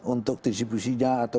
untuk distribusinya atau